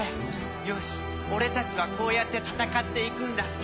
「よし俺たちはこうやって戦っていくんだ」って。